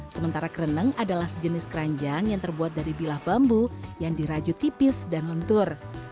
sementara kereneng adalah sejenis keranjang yang terbuat dari bilah bambu yang dirajut tipis dan lentur